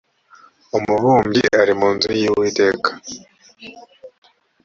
umubumbyi ari mu nzu y’ uwiteka